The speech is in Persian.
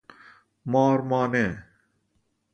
مار مانه